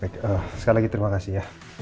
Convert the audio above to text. baik sekali lagi terima kasih ya